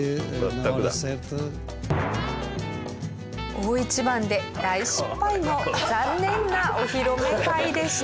大一番で大失敗の残念なお披露目会でした。